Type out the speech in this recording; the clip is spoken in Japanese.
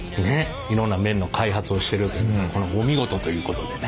いろんな麺の開発をしてるというお見事ということでね。